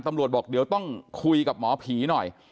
ตำรวจบอกเดี๋ยวต้องคุยกับหมอผีหน่อย